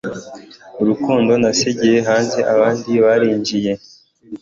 Urukundo nasigaye hanze abandi barinjiye